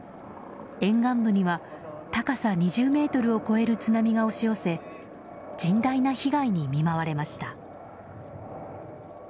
沿岸部には高さ２０ｍを超える津波が押し寄せ甚大な被害に見舞われました。